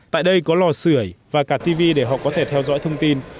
tại đây có lò sửa và cả tv để họ có thể theo dõi thông tin